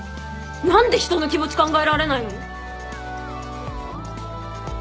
何で人の気持ち考えられないの？